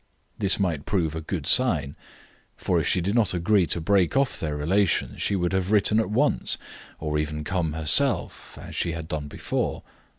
This might prove a good sign, for if she did not agree to break off their relations, she would have written at once, or even come herself, as she had done before.